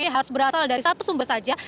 harus berasal dari satu sumber saja